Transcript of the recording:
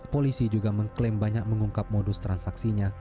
polisi juga mengklaim banyak mengungkap modus transaksinya